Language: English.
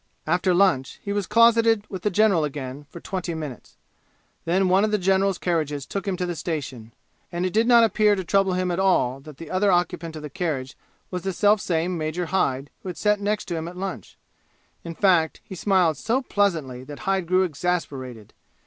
After lunch he was closeted with the general again for twenty minutes. Then one of the general's carriages took him to the station; and it did not appear to trouble him at all that the other occupant of the carriage was the self same Major Hyde who had sat next him at lunch. In fact, he smiled so pleasantly that Hyde grew exasperated.